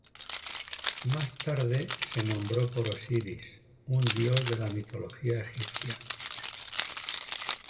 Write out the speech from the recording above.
Más tarde se nombró por Osiris, un dios de la mitología egipcia.